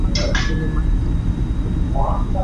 তিনি মার্কিন নাগরিকত্ব গ্রহণ করেন।